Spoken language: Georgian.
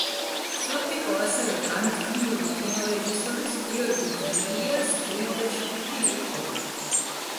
სოფიკო ასევე განთქმული კინორეჟისორის გიორგი დანელიას დეიდაშვილი იყო.